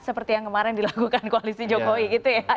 seperti yang kemarin dilakukan koalisi jokowi gitu ya